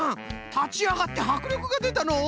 たちあがってはくりょくがでたのう。